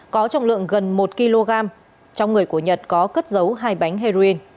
có trọng lượng gần một kg trong người của nhật có cất dấu hai bánh heroin